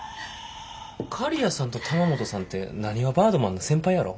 刈谷さんと玉本さんってなにわバードマンの先輩やろ？